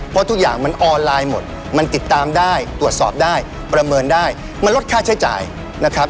เพราะทุกอย่างมันออนไลน์หมดมันติดตามได้ตรวจสอบได้ประเมินได้มันลดค่าใช้จ่ายนะครับ